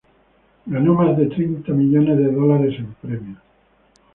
Ganó más de treinta millones de dólares en premios.